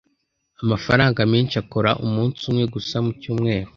amafaranga menshi akora umunsi umwe gusa mu cyumweru.